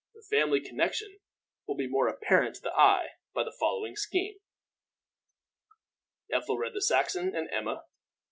The family connection will be more apparent to the eye by the following scheme: Ethelred the Saxon. Emma.